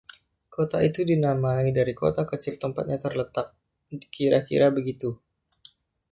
Kota itu dinamai dari kota kecil tempatnya terletak—kira-kira begitu.